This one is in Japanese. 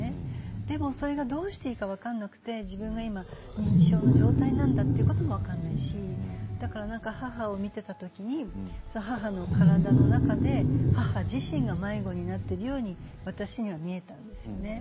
でもどうしていいか分からなくて自分が認知症の状態なんだということも分からないしだから母を見ていた時に母の体の中で母自身が迷子になっているように私には見えたんですよね。